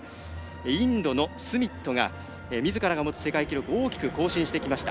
インドのスミットがみずからが持つ世界記録を大きく更新してきました。